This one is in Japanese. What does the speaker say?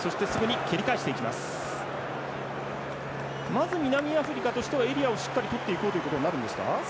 まず南アフリカとしてはエリアをしっかりとっていこうということになるんですか。